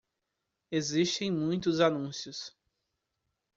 Existem muitos anúncios.